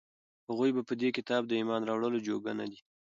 هغوى په دې كتاب د ايمان راوړلو جوگه نه دي،